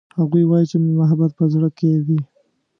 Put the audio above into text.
هغوی وایي چې محبت په زړه کې وي